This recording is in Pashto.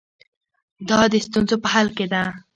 دا د ستونزو په حل کې ده.